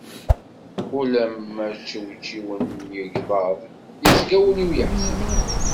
Ulamma ččewčiwen yegḍaḍ, yezga wul-iw yeḥzen.